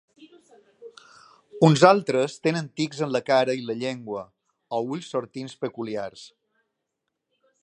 Uns altres tenen tics en la cara i la llengua, o ulls sortints peculiars.